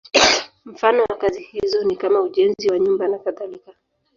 Mfano wa kazi hizo ni kama ujenzi wa nyumba nakadhalika.